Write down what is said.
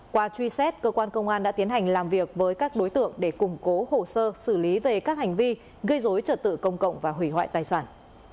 qua truy xét cơ quan công an đã tiến hành làm việc với các đối tượng để củng cố hồ sơ xử lý về các hành vi gây dối trật tự công cộng và hủy hoại tài sản